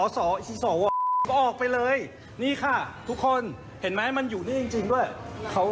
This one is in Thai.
ออกไปเลยนี่ค่ะทุกคนเห็นไหมมันอยู่นี่จริงด้วยเขา